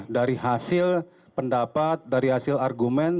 dari hasil pendapat dari hasil argumen